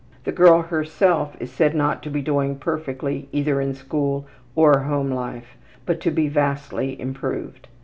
The girl herself is said not to be doing perfectly either in school or home life, but to be vastly improved.